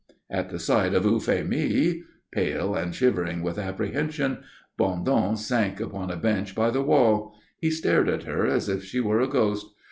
At the sight of Euphémie, pale and shivering with apprehension, Bondon sank upon a bench by the wall. He stared at her as if she were a ghost.